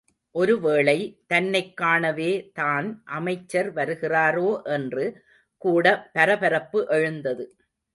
ஒருவேளை, தன்னைக் காணவே தான் அமைச்சர் வருகிறாரோ என்று கூட பரபரப்பு எழுந்தது.